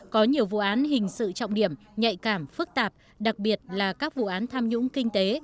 có nhiều vụ án hình sự trọng điểm nhạy cảm phức tạp đặc biệt là các vụ án tham nhũng kinh tế